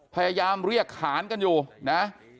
พยายามเรียกขานกันอยู่นะ